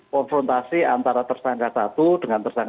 konfrontasi antara tersangka satu dengan tersangka